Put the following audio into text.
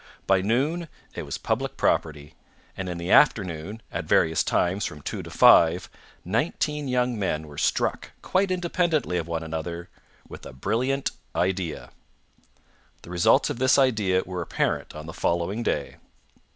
By noon it was public property; and in the afternoon, at various times from two to five, nineteen young men were struck, quite independently of one another, with a brilliant idea. The results of this idea were apparent on the following day.